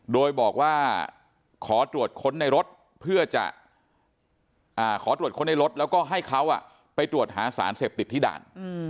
โดยบอกว่าขอตรวจค้นในรถเพื่อจะขอตรวจค้นในรถแล้วก็ให้เขาไปตรวจหาสารเสพติดที่ด่าน